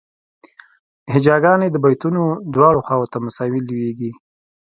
هجاګانې د بیتونو دواړو خواوو ته مساوي لویږي.